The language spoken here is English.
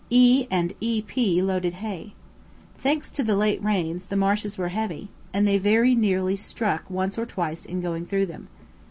E and E. P loaded hay. Thanks to the late rains the marshes were heavy, and they very nearly stuck once or twice in going through them.